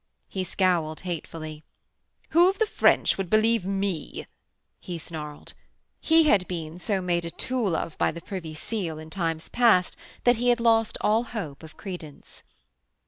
He scowled hatefully. 'Who of the French would believe me,' he snarled. He had been so made a tool of by Privy Seal in times past that he had lost all hope of credence.